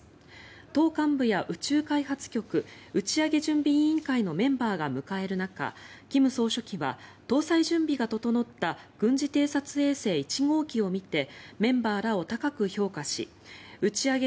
党幹部や宇宙開発局打ち上げ準備委員会のメンバーが迎える中金総書記は搭載準備が整った軍事偵察衛星１号機を見てメンバーらを高く評価し打ち上げ